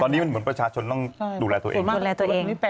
ตอนนี้มันเหมือนประชาชนต้องดูแลตัวเองดูแลตัวเอง